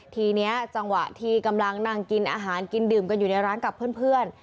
ทีนี้จังหวะที่กำลังนั่งกินอาหารกินดื่มกันอยู่ในร้านกับเพื่อน